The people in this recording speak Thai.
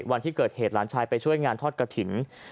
วันที่เกิดเหตุหลานชายไปช่วยงานทอดกระถิ่น